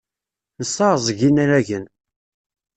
Nesseɛẓeg inaragen.